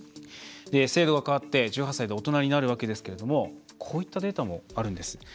制度が変わって、１８歳で大人になるわけですけれどもこういったデータもあるんです。